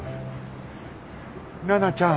奈々ちゃん。